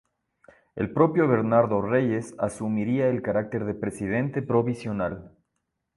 El propio Bernardo Reyes asumiría el carácter de presidente provisional.